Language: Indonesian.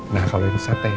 nah kalau ini sate ya